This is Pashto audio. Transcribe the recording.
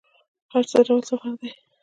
حج څه ډول سفر دی؟